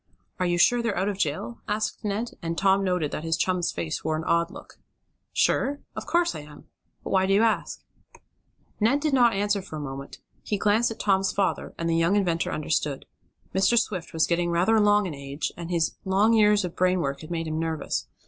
"Are you sure they're out of jail?" asked Ned, and Tom noted that his chum's face wore an odd look. "Sure? Of course I am. But why do you ask?" Ned did not answer for a moment. He glanced at Tom's father, and the young inventor understood. Mr. Swift was getting rather along in age, and his long years of brain work had made him nervous.